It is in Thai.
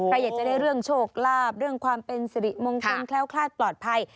อยากจะได้เรื่องโชคลาภเรื่องความเป็นสิริมงคลแคล้วคลาดปลอดภัย